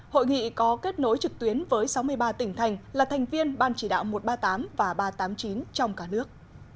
hội nghị có kết nối trực tuyến với sáu mươi ba tỉnh thành là thành viên ban chỉ đạo một trăm ba mươi tám và ba trăm tám mươi chín trong cả nước